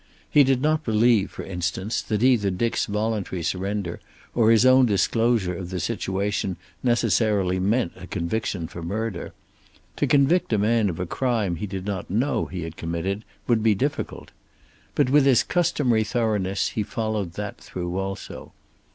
He did not believe, for instance, that either Dick's voluntary surrender or his own disclosure of the situation necessarily meant a conviction for murder. To convict a man of a crime he did not know he had committed would be difficult. But, with his customary thoroughness he followed that through also.